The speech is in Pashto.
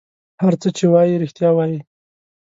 هر څه چې وایي رېښتیا وایي.